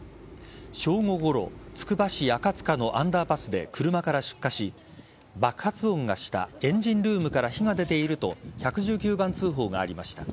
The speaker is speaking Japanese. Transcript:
正午ごろ、つくば市赤塚のアンダーパスで車から出火し爆発音がしたエンジンルームから火が出ていると１１９番通報がありました。